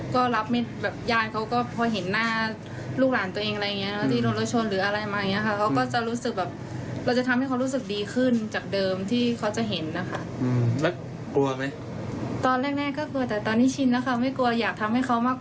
คุณทัพทีม